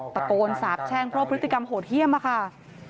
ตะโกนสาบแช่งเพราะพฤติกรรมโหดเยี่ยมค่ะ